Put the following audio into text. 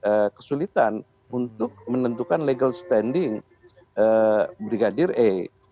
itu adalah kesulitan untuk menentukan legal standing brigadir e